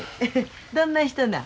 どんな人な？